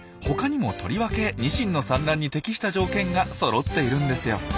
他にもとりわけニシンの産卵に適した条件がそろっているんですよ。